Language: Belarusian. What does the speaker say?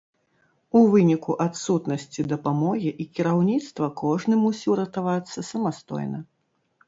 У выніку адсутнасці дапамогі і кіраўніцтва кожны мусіў ратавацца самастойна.